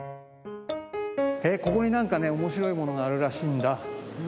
ここになんかね面白いものがあるらしいんだ。